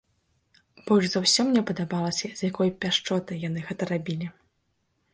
Больш за ўсё мне падабалася, з якой пяшчотай яны гэта рабілі.